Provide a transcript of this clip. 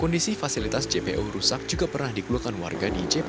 kondisi fasilitas jpo rusak juga pernah dikeluarkan warga di jpo